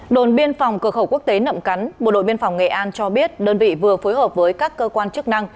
đồn biên phòng cửa khẩu quốc tế nậm cắn bộ đội biên phòng nghệ an cho biết đơn vị vừa phối hợp với các cơ quan chức năng